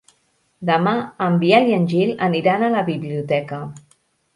Demà en Biel i en Gil aniran a la biblioteca.